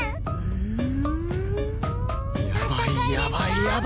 うん。